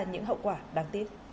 những hậu quả đáng tiếc